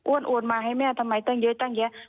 โอนมาให้แม่ทำไมตั้งเยอะตั้งแยะ